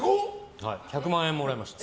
１００万円もらいました。